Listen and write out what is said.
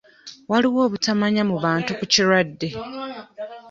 Waliwo obutamanya mu bantu ku kirwadde.